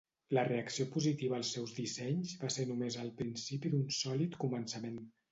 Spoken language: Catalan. La reacció positiva als seus dissenys va ser només el principi d'un sòlid començament.